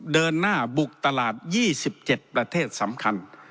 เดินหน้าบุกตลาด๒๗ประเทศสำคัญ